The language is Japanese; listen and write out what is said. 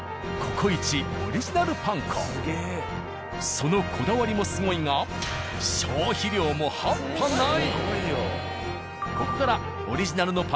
そのこだわりもすごいが消費量も半端ない！